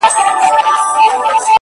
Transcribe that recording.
یوه ورځ دهقان له کوره را وتلی-